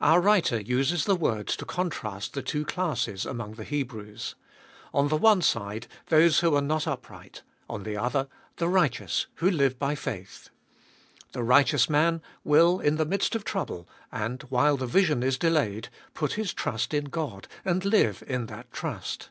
Our writer uses the words to contrast the two classes among the Hebrews. On the one side, those who are not upright ; on the other, the righteous who live by faith. The righteous man will in the midst of trouble, and while the vision is delayed, put his trust in God, and live in that trust.